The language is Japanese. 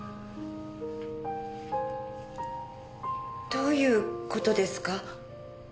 どういう事ですか？